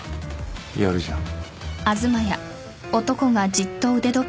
やるじゃん。